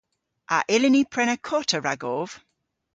A yllyn ni prena kota ragov?